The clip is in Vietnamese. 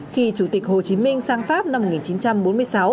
khi chủ tịch hồ chí minh sang pháp năm một nghìn chín trăm bốn mươi sáu